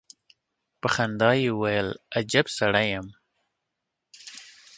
په خندا يې وويل: اجب سړی يم.